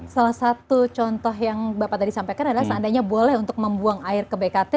salah satu contoh yang bapak tadi sampaikan adalah seandainya boleh untuk membuang air ke bkt